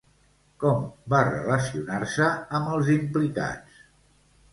Com va relacionar-se amb els implicats?